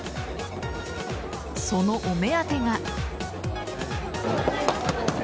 そのお目当てが。